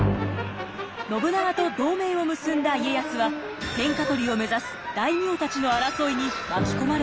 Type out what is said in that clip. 信長と同盟を結んだ家康は天下取りを目指す大名たちの争いに巻き込まれていきます。